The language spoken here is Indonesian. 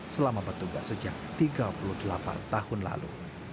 selama bertugas sejak tiga puluh delapan tahun lalu